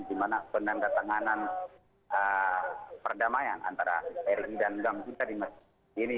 dimana pendandatanganan perdamaian antara rri dan gam di masjid ini